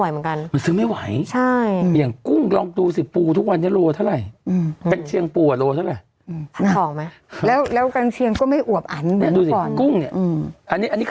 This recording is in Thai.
แบบหนูขอคอยุติไปก่อนอะไรแบบนี้